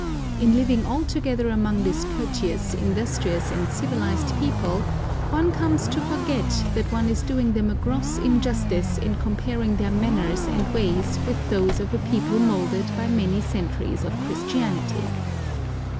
In living altogether among this courteous, industrious, and civilised people, one comes to forget that one is doing them a gross injustice in comparing their manners and ways with those of a people moulded by many centuries of Christianity.